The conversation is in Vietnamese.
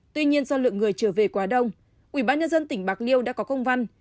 tuy nhiên do lượng người trở về quá đông ubnd tỉnh bạc liêu đã có công văn